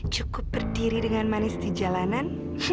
cukup berdiri dengan manis di jalanan